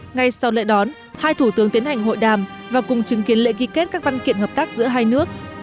ngay sau lễ đón hai thủ tướng tiến hành hội đàm và cùng chứng kiến lễ ký kết các văn kiện hợp tác giữa hai nước